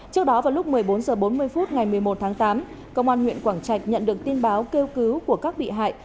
trước đó vào lúc một mươi bốn h bốn mươi phút ngày một mươi một tháng tám công an huyện quảng trạch nhận được tin báo kêu cứu của các bị hại